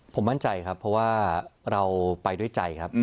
ผมมั่นใจครับเพราะว่าเราไปด้วยใจครับ